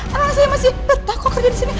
alang saya masih petah kok kerja disini